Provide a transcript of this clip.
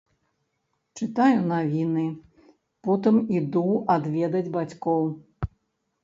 Чытаю навіны, потым іду адведаць бацькоў.